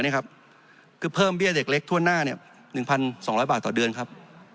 คือเพิ่มเบี้ยเด็กเล็กทั่วหน้า๑๒๐๐บาทต่อเดือนครับ